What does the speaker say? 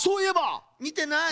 みてない。